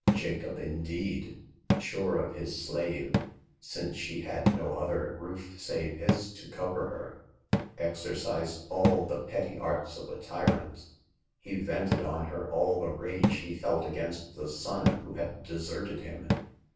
Jacob, indeed, — sure of his slave, since she had no other roof save his to cover her, — exercised all the petty arts of a tyrant. He vented on her all the rage he felt against the son who had deserted him.